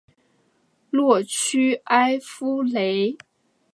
洛屈埃夫雷。